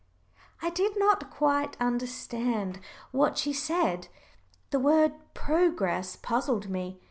I did not quite understand what she said the word "progress" puzzled me.